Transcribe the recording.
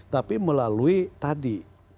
tapi melalui tadi